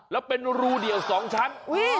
แล้วเป็นรูเดี่ยว๒ชั้น